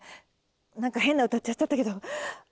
なんか変な歌歌っちゃったけど。